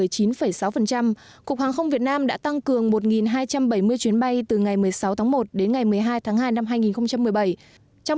cục hàng không việt nam đã tăng cường một hai trăm bảy mươi chuyến bay từ ngày một mươi sáu tháng một đến ngày một mươi hai tháng hai năm hai nghìn một mươi bảy